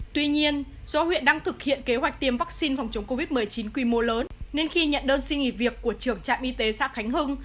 tuy nhiên do huyện đang thực hiện kế hoạch tiêm vaccine phòng chống covid một mươi chín quy mô lớn nên khi nhận đơn xin nghỉ việc của trưởng trạm y tế xã khánh hưng